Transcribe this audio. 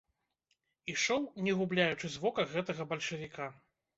Ішоў, не губляючы з вока гэтага бальшавіка.